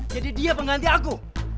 jadi dia pengganti aku